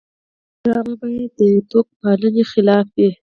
ډرامه باید د توکم پالنې خلاف وي